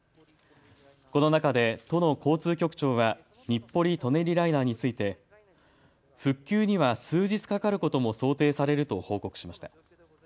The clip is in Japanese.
この中で都の交通局長は日暮里・舎人ライナーについて復旧には数日かかることも想定されると報告しました。